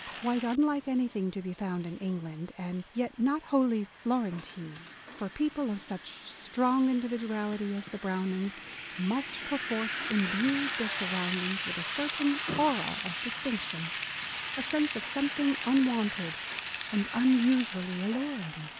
Quite unlike anything to be found in England : and yet not wholly Florentine, for people of such strong individuality as the Brownings must perforce imbue their surroundings with a certain aura of distinction, — a sense of some thing unwonted and unusually alluring.